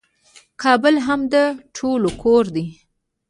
کابل هم د ټولو کور دی.